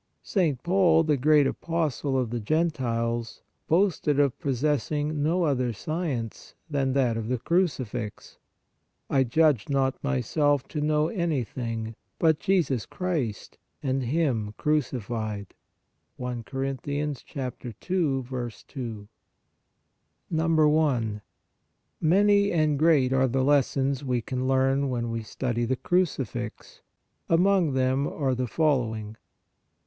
201 202 PRAYER St. Paul, the great apostle of the Gentiles, boasted of possessing no other science than that of the Crucifix: "I judged not myself to know anything but Jesus Christ and Him crucified " (I Cor. 2. 2). I. Many and great are the lessons we can learn when we study the Crucifix. Among them are the following : 1.